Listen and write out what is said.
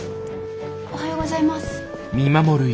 おはようございます。